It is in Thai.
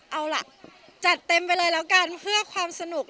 เอาล่ะจัดเต็มไปเลยแล้วกันเพื่อความสนุก